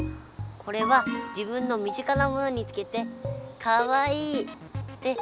これは自分のみ近なものにつけてかわいいって思うものなんだ。